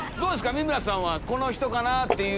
三村さんはこの人かな？っていう。